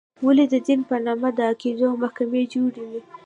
ولې د دین په نامه د عقایدو محکمې جوړې وې.